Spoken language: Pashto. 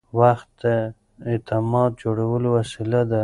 وخت د اعتماد جوړولو وسیله ده.